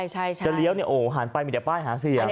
จะเลี้ยวเนี่ยโอ๊หันไปมีแต่ป้ายหาเสียง